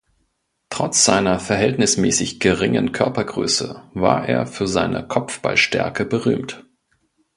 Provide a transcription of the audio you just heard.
Trotz seiner verhältnismäßig geringen Körpergröße war er für seine Kopfballstärke berühmt.